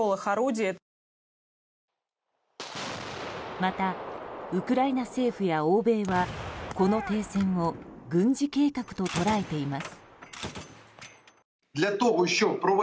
また、ウクライナ政府や欧米はこの停戦を軍事計画と捉えています。